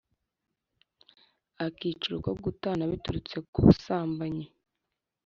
Akiciro ko Gutana biturutse ku busambanyi